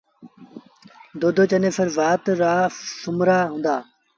دودو چنيسر زآت رآ سومرآ هُݩدآ۔